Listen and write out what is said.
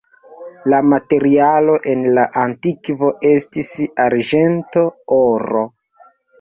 La materialo en la antikvo estis arĝento, oro.